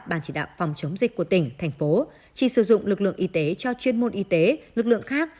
ban chỉ đạo phòng chống dịch của tỉnh thành phố chỉ sử dụng lực lượng y tế cho chuyên môn y tế lực lượng khác